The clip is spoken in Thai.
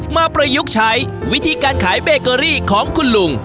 ประยุกต์ใช้วิธีการขายเบเกอรี่ของคุณลุง